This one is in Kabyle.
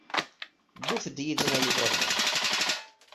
Ddut-d yid-i a igerdan.